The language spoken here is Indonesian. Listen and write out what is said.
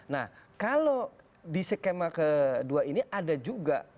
nah kalau di skema kedua ini ada juga